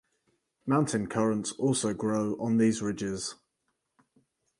Mountain currants also grow on these ridges.